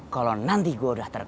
kalo nanti gue udah terkenal